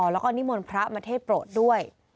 แล้วก็นิมนต์พระมาเทศโปรดด้วย